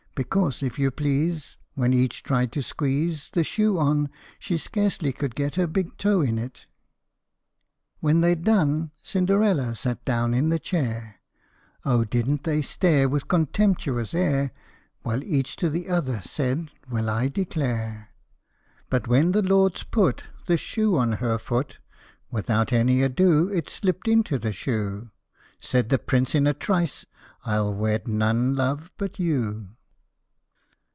Because, if you please, When each tried to squeeze The shoe on, she scarcely could get her big toe in it. When they 'd done, Cinderella sat down in the chair : Oh, didn't they stare with contemptuous air! While each to the other said, "Well, I declare!" But when the lords put The shoe on her foot, Without any ado it slipt into the shoe Said the Prince in a trice, " I '11 wed none, love, but you